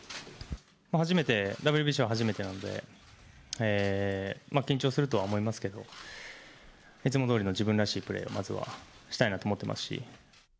初めて、ＷＢＣは初めてなので、緊張するとは思いますけど、いつもどおりの自分らしいプレーをまずはしたいなと思ってますし。